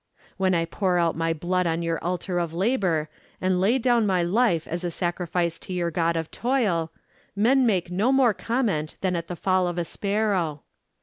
When I pour out my blood on your altar of labour, and lay down my life as a sacrifice to your god of toil, men make no more comment than at the fall of a sparrow.